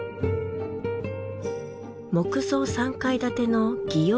木造３階建ての擬